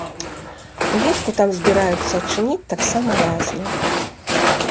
Улетку там збіраюцца адчыніць таксама лазню.